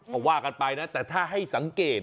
ก็ว่ากันไปนะแต่ถ้าให้สังเกต